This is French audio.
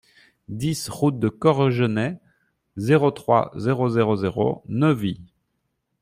dix route de Corgenay, zéro trois, zéro zéro zéro, Neuvy